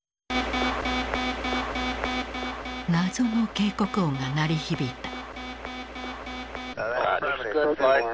謎の警告音が鳴り響いた。